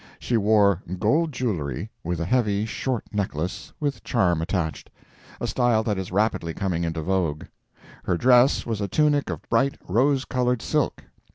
She wore gold jewelry, with a heavy, short necklace, with charm attached—a style that is rapidly coming into vogue. Her dress was a tunic of bright, rose colored silk.